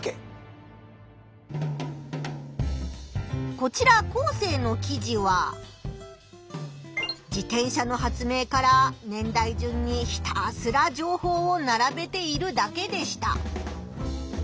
こちらコウセイの記事は自転車の発明から年代順にひたすら情報を並べているだけでした。